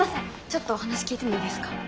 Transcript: ちょっとお話聞いてもいいですか？